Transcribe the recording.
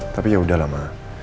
tapi yaudahlah ma